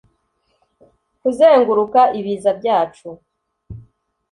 Kuzenguruka ibiza byacu